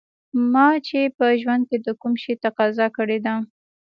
ما چې په ژوند کې د کوم شي تقاضا کړې ده